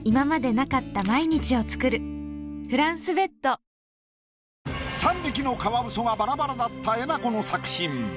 ポリグリップ３匹のカワウソがバラバラだったえなこの作品。